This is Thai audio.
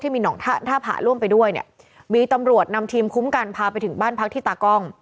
มีตำรวจนำทีมคุ้มกันพาไปถึงบ้านพักที่ตากล้อง